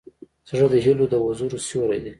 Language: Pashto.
زړه د هيلو د وزرو سیوری دی.